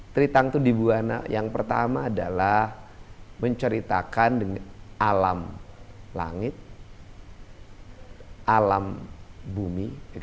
tritangtu dibuana yang pertama adalah menceritakan dengan alam langit alam bumi